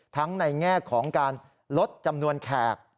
ในแง่ของการลดจำนวนแขก